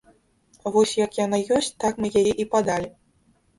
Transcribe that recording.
Вось як яна ёсць, так мы яе і падалі.